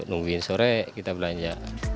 nungguin sore kita belanja